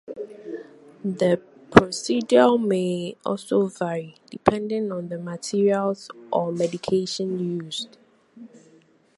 The procedure may also vary depending on the materials or medication used.